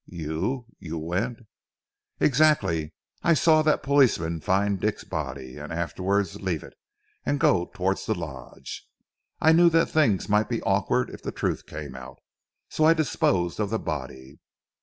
"You ... you went " "Exactly, I saw that policeman find Dick's body, and afterwards leave it, and go towards the Lodge. I knew that things might be awkward if the truth came out, so I disposed of the body."